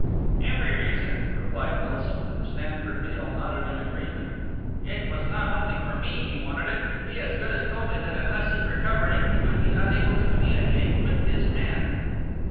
"Every reason," replied Milsom, and Stanford Beale nodded in agreement. "It was not only for me he wanted it. He as good as told me that unless he recovered it he would be unable to communicate with his men."